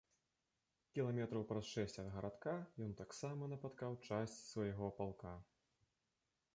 Кіламетраў праз шэсць ад гарадка ён таксама напаткаў часць з свайго палка.